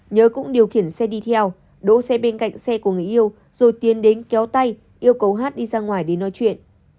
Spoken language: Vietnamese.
nhớ cũng điều khiển xe đi theo đỗ xe bên cạnh xe của người yêu rồi tiến đến kéo tay yêu cầu hát đi ra ngoài để nói chuyện